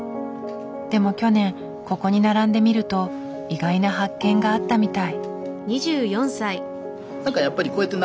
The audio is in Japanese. でも去年ここに並んでみると意外な発見があったみたい。